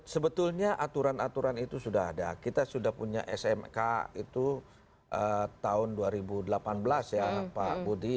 sebetulnya aturan aturan itu sudah ada kita sudah punya smk itu tahun dua ribu delapan belas ya pak budi